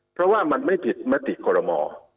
เพราะว่ามันไม่ผิดมติกรมอ